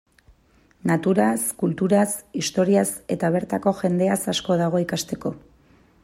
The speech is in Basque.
Naturaz, kulturaz, historiaz, eta bertako jendeaz asko dago ikasteko.